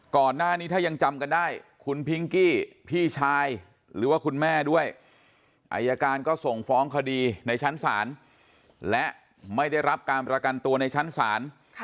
ก่อนหน้านี้ถ้ายังจำกันได้คุณพิงกี้พี่ชายหรือว่าคุณแม่ด้วยอายการก็ส่งฟ้องคดีในชั้นศาลและไม่ได้รับการประกันตัวในชั้นศาล